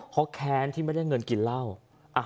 เพราะแค้นที่ไม่ได้เงินกินเหล้า